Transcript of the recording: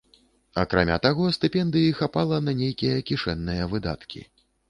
Акрамя таго, стыпендыі хапала на нейкія кішэнныя выдаткі.